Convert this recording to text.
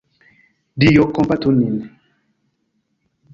Dio kompatu nin!